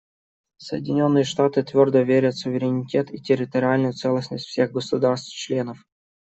Соединенные Штаты твердо верят в суверенитет и территориальную целостность всех государств-членов.